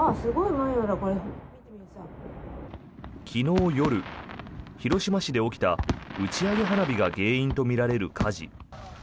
昨日夜、広島市で起きた打ち上げ花火が原因とみられる火事。